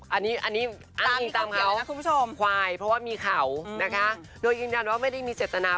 อันนี้อั้นอีกตามเขา